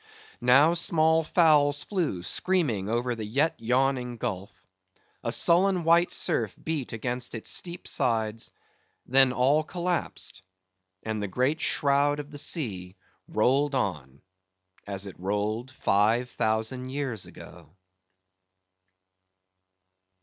Now small fowls flew screaming over the yet yawning gulf; a sullen white surf beat against its steep sides; then all collapsed, and the great shroud of the sea rolled on as it rolled five thousand years ago.